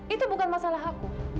itu bukan masalah aku